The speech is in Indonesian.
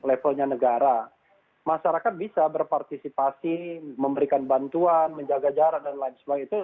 levelnya negara masyarakat bisa berpartisipasi memberikan bantuan menjaga jarak dan lain sebagainya